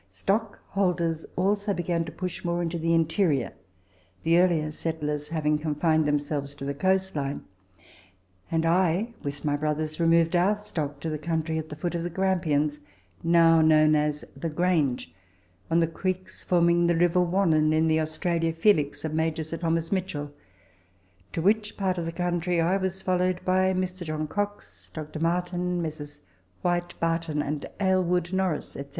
Stock holders also began to push more into the interior, the earlier settlers having confined themselves to the coast line, and I, with my brothers, removed our stock to the country at the foot of the Grampians, now known as the Grange, on the creeks forming the river Wannon in the Australia Felix of Major Sir Thomas Mitchell, to which part of the country I was followed by Mr. John Cox, Dr. Martin, Messrs. Whyte, Barton and Aylward, Norris, &c.